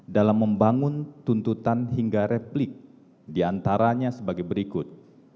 dalam membangun tuntutan hingga replik diantaranya sebagai berikut